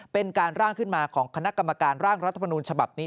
เป็นการร่างขึ้นมาของคณะกรรมการร่างรัฐมนูญฉบับนี้